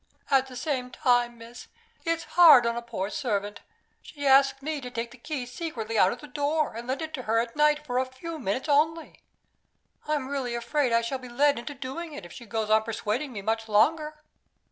At the same time, miss, it's hard on a poor servant. She asks me to take the key secretly out of the door, and lend it to her at night for a few minutes only. I'm really afraid I shall be led into doing it, if she goes on persuading me much longer."